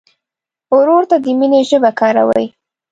ورور ته د مینې ژبه کاروې.